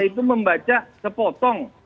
karena itu membaca sepotong